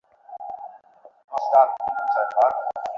শশী বিবর্ণ হইয়া বলিল, তুই কী বলছিস কুমুদ, মতিকে বিয়ে করবি?